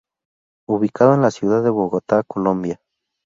Ubicado en la ciudad de Bogotá, Colombia.